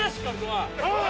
はい！